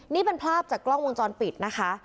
นี่เป็นภาพจากกล้องวงจรปิดนะคะ